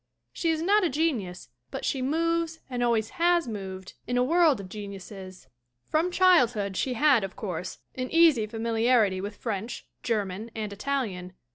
She is not a genius but she moves and always has moved in a world of geniuses. From childhood she had, of course, an easy familiarity with French, Ger man and Italian.